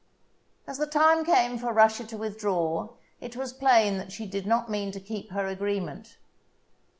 As the time came for Russia to withdraw, it was plain that she did not mean to keep her agreement.